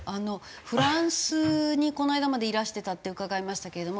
フランスにこの間までいらしてたって伺いましたけれども。